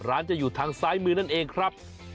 จะอยู่ทางซ้ายมือนั่นเองครับ